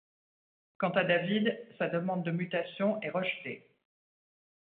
Quant à David, sa demande de mutation est rejetée.